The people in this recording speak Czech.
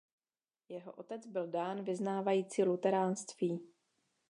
Jeho otec byl Dán vyznávající luteránství.